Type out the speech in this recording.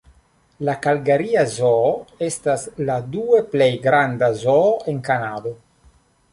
La kalgaria zoo estas la due plej granda zoo en Kanado.